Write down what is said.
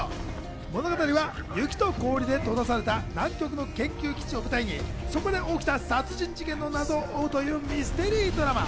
物語は雪と氷で閉ざされた南極の研究基地を舞台にそこで起きた殺人事件の謎を追うというミステリードラマ。